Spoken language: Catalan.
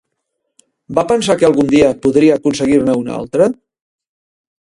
Va pensar que algun dia podria aconseguir-ne una altra?